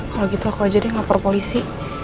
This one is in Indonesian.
kalau gitu aku aja deh lapor polisi